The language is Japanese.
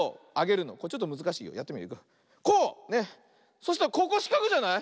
そしたらここしかくじゃない？